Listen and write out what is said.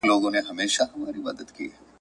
سلماني یې زه دي وینمه ژوندی یې `